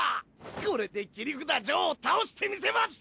これで切札ジョーを倒してみせます！